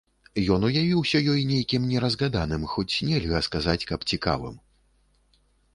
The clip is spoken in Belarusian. Ён уявіўся ёй нейкім неразгаданым, хоць нельга сказаць, каб цікавым.